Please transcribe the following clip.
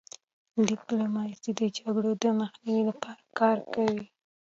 ډيپلوماسي د جګړو د مخنیوي لپاره کار کوي.